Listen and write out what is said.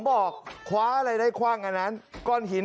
ดุเดือดพอไหมละครูลรัชพร